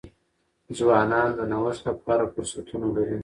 ځوانان د نوښت لپاره فرصتونه لري.